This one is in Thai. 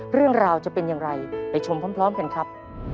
เรื่องราวจะเป็นอย่างไรไปชมพร้อมกันครับ